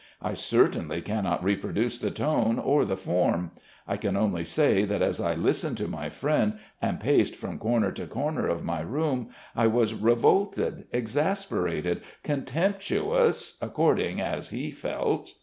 I certainly cannot reproduce the tone or the form. I can only say that as I listened to my friend and paced from corner to corner of my room, I was revolted, exasperated, contemptuous according as he felt.